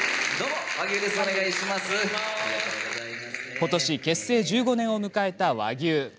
ことし結成１５年を迎えた和牛。